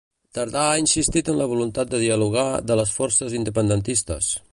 Tardà ha insistit en la voluntat de dialogar de les forces independentistes.